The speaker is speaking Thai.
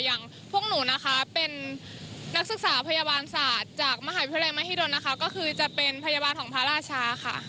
อย่างพวกหนูนะคะเป็นนักศึกษาพยาบาลศาสตร์จากมหาวิทยาลัยมหิดลนะคะก็คือจะเป็นพยาบาลของพระราชาค่ะ